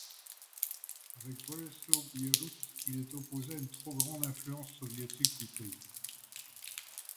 Avec Bolesław Bierut, il est opposé à une trop grande influence soviétique du pays.